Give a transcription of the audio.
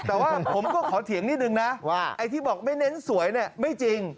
แต่ว่าผมก็ขอเถียงนิดนึงนะว่าไอ้ที่บอกไม่เน้นสวยเนี่ยไม่จริง